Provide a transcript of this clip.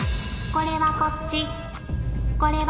これはこっち。